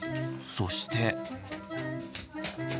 そして。